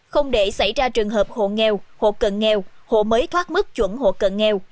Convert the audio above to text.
không để xảy ra trường hợp hộ nghèo hộ cần nghèo hộ mới thoát mức chuẩn hộ cần nghèo